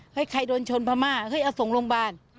ใครโดนชนพม่าเฮ้ยเอาส่งโรงพยาบาล